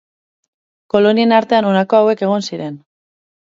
Kolonien artean honako hauek egon ziren.